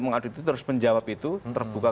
mengadut itu harus menjawab itu terbuka